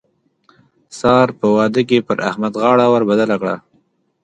سار په واده کې پر احمد غاړه ور بدله کړه.